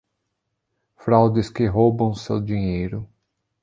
Fraudes que roubam seu dinheiro